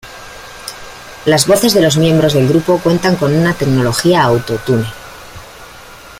Las voces de los miembros del grupo cuentan con la tecnología auto-tune.